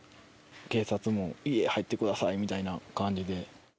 警察も、家入ってくださいみたいな感じで。